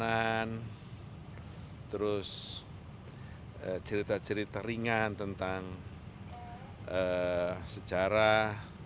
pengalaman terus cerita cerita ringan tentang sejarah